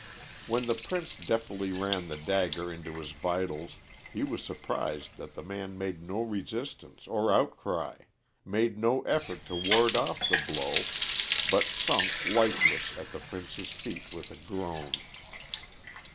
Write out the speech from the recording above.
When the Prince deftly ran the dagger into his vitals, he was surprised that the man made no resistance or outcry, made no effort to ward off the blow, but sunk lifeless at the Prince's feet with a groan.